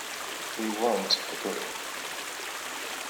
We weren't a group.